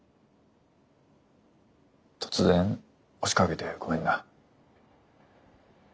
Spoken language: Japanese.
突然押しかけてごめんな。